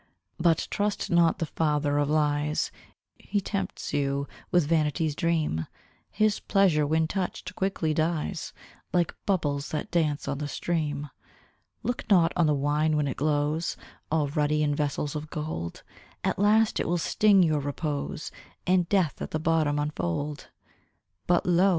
But trust not the father of lies, He tempts you with vanity's dream; His pleasure, when touched, quickly dies, Like bubbles that dance on the stream. Look not on the wine when it glows All ruddy, in vessels of gold; At last it will sting your repose, And death at the bottom unfold. But lo!